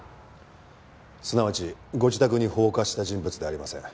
すなわちご自宅に放火した人物ではありません。